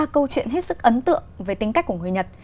câu chuyện hết sức ấn tượng về tính cách của người nhật